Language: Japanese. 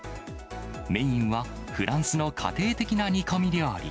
メインはフランスの家庭的な煮込み料理。